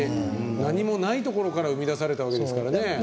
何もないところから生み出されたわけですからね。